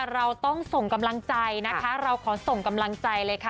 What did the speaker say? เราต้องส่งกำลังใจนะคะเราขอส่งกำลังใจเลยค่ะ